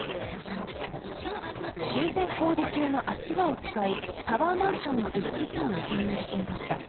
修繕工事中の足場を使いタワーマンションの一室に侵入していました。